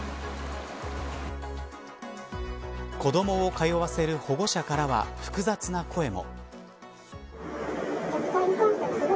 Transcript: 子どもを通わせる保護者からは複雑な声も。